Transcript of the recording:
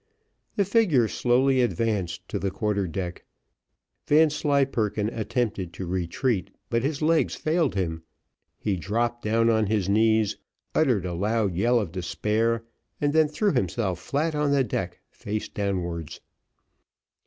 The figure slowly advanced to the quarter deck, Vanslyperken attempted to retreat, but his legs failed him, he dropped down on his knees, uttered a loud yell of despair, and then threw himself flat on the deck face downwards.